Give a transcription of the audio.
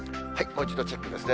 もう一度チェックですね。